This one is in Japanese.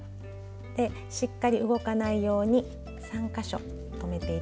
でしっかり動かないように３か所留めて頂いて。